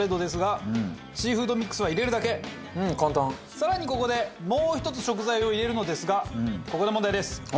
更にここでもう１つ食材を入れるのですがここで問題です。